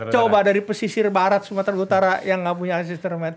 coba dari pesisir barat sumatera utara yang tidak punya akses internet